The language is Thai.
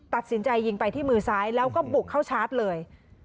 ตัดสินใจยิงไปที่มือซ้ายแล้วก็บุกเข้าชาร์จเลย